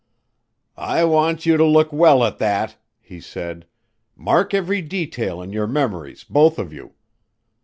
"I want you to look well at that," he said. "Mark every detail in your memories, both of you.